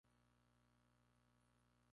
Se encuentran en el Norte de Europa.